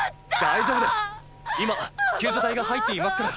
今救助隊が入っていますから。